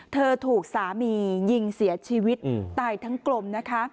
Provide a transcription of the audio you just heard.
เธอถูกสามียิงเสียชีวิตตายทั้งกลมนะคะ